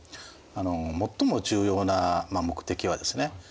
最も重要な目的はですね